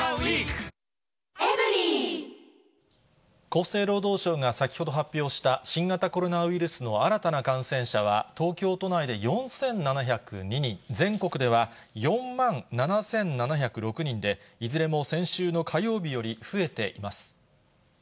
厚生労働省が先ほど発表した、新型コロナウイルスの新たな感染者は東京都内で４７０２人、全国では４万７７０６人で、いずれも先週の火曜日より増えています。